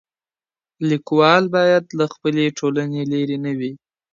ليکوال بايد له خپلي ټولني لیري نه وي.